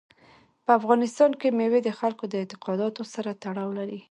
په افغانستان کې مېوې د خلکو د اعتقاداتو سره تړاو لري.